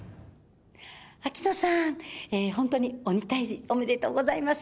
秋野さん、本当に鬼退治、おめでとうございます。